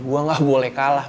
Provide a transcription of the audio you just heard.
gue gak boleh kalah